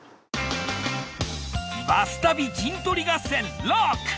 バス旅陣とり合戦ロック！